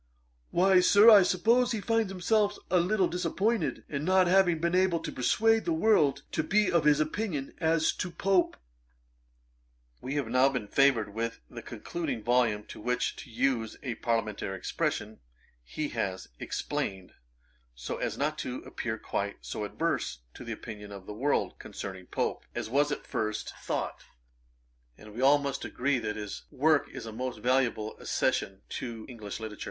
'Why, Sir, I suppose he finds himself a little disappointed, in not having been able to persuade the world to be of his opinion as to Pope.' We have now been favoured with the concluding volume, in which, to use a parliamentary expression, he has explained, so as not to appear quite so adverse to the opinion of the world, concerning Pope, as was at first thought; and we must all agree that his work is a most valuable accession to English literature.